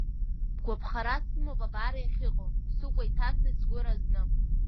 Бгәаԥхара сымоуп абар иахьыҟоу, сыкәа иҭасҵеит сгәы разны.